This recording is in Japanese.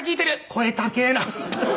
声高えなと。